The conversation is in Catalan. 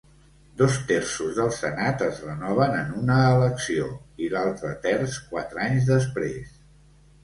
Dos-terços del Senat es renoven en una elecció, i l'altre terç quatre anys després.